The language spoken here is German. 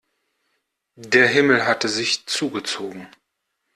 Der Himmel hatte sich zugezogen.